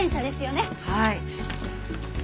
はい。